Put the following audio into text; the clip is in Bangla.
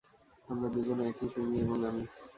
আমরা দুজন একই, তুমি এবং আমি।